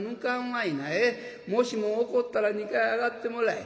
もしも怒ったら２階上がってもらえ。